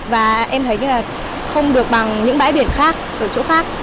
và em thấy là không được bằng những bãi biển khác ở chỗ khác